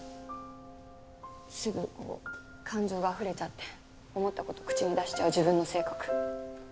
すぐ感情があふれちゃって思った事口に出しちゃう自分の性格。